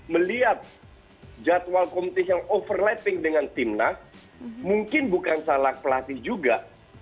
melihat jadwal kompetisi yang overlapping dengan timnas mungkin bukan salah pelatih juga